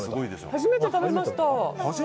初めて食べました。